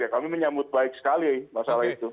kami menyambut baik sekali masalah itu